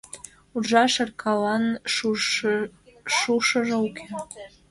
Уржа шыркалан шушыжо уке.